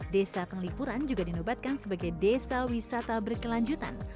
desa penglipuran juga dinobatkan sebagai desa wisata berkelanjutan